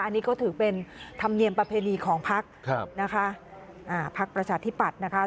อันนี้ก็ถือเป็นธรรมเนียมประเภนีของภักดิ์ครับนะคะอ่าภักดิ์ประชาธิบัตินะคะ